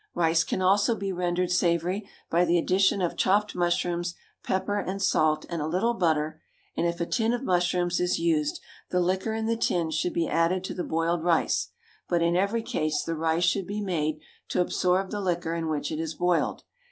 Rice can also be rendered savoury by the addition of chopped mushrooms, pepper and salt, and a little butter, and if a tin of mushrooms is used, the liquor in the tin should be added to the boiled rice, but in every case the rice should be made to absorb the liquor in which it is boiled.